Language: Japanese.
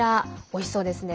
おいしそうですね。